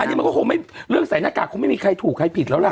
อันนี้มันก็คงไม่เรื่องใส่หน้ากากคงไม่มีใครถูกใครผิดแล้วล่ะ